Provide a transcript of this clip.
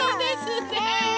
ねえ！